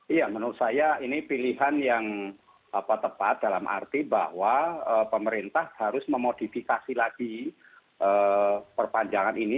iya menurut saya ini pilihan yang tepat dalam arti bahwa pemerintah harus memodifikasi lagi perpanjangan ini